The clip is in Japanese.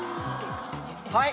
はい